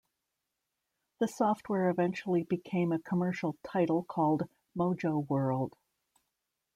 The software eventually became a commercial title called MojoWorld.